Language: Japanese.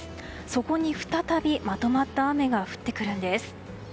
そこに再び、まとまった雨が降ってくるんです。